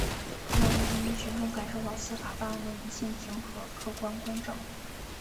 让人民群众感受到司法办案的理性平和、客观公正